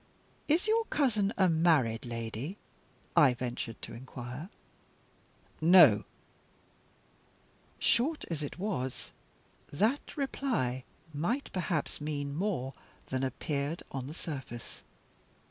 "Is your cousin a married lady?" I ventured to inquire. "No." Short as it was, that reply might perhaps mean more than appeared on the surface.